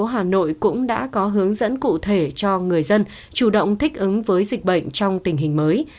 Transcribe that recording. hà nội cũng đã có hướng dẫn cụ thể cho người dân chủ động thích ứng với dịch bệnh trong tình hình mới